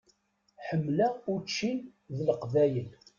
Ḥemmleɣ učči d Leqbayel.